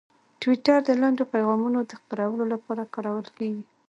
ټویټر د لنډو پیغامونو د خپرولو لپاره کارول کېږي.